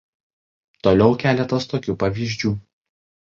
Toliau keletas tokių pavyzdžių.